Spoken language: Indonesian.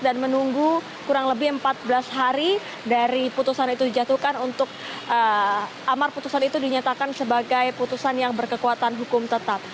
dan menunggu kurang lebih empat belas hari dari putusan itu dijatuhkan untuk amar putusan itu dinyatakan sebagai putusan yang berkekuatan hukum tetap